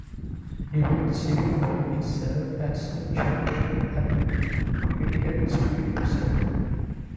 During the Civil War, he served as a chaplain at the Gratiot Street Prison.